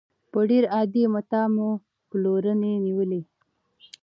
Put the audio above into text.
په ډېر عادي متاع مو پلورنې نېولې.